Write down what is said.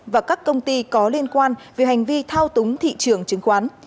và các công ty có liên quan về hành vi thao túng thị trường chứng khoán